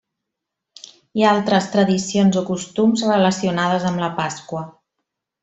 Hi ha altres tradicions o costums relacionades amb la Pasqua.